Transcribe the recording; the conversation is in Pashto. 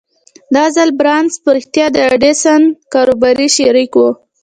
دا ځل بارنس په رښتيا د ايډېسن کاروباري شريک و.